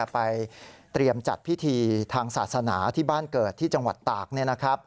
ไปเตรียมจัดพิธีทางศาสนาที่บ้านเกิดที่จังหวัดตาก